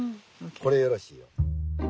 これよろしいよ。